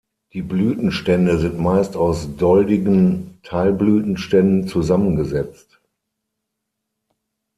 Die Blütenstände sind meist aus doldigen Teilblütenständen zusammengesetzt.